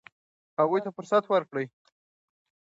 هغوی ته فرصت ورکړئ.